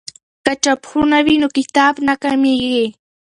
که چاپخونه وي نو کتاب نه کمېږي.